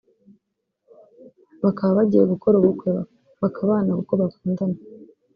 bakaba bagiye gukora ubukwe bakabana kuko bakundana